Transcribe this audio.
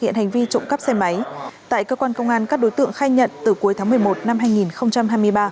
hiện hành vi trộm cắp xe máy tại cơ quan công an các đối tượng khai nhận từ cuối tháng một mươi một năm hai nghìn hai mươi ba